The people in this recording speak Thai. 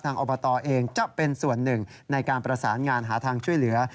อบตเองจะเป็นส่วนหนึ่งในการประสานงานหาทางช่วยเหลือ